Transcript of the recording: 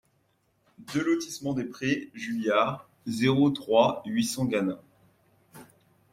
deux lotissement des Prés Juliards, zéro trois, huit cents Gannat